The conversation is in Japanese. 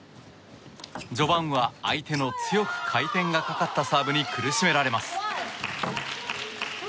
序盤は相手の強く回転がかかったサーブに苦しめられます。